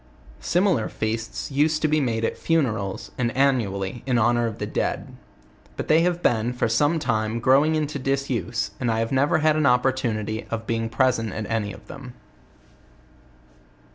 Similar feasts used to be made at funerals, and annually, in honor of the dead; but they have been, for some time, growing into disuse, and I never had an opportunity of being present at any of them.